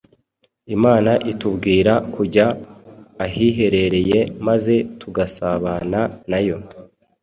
Imana itubwira kujya ahiherereye maze tugasabana na Yo.